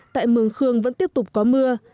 tại mường khương vẫn tiếp tục có mưa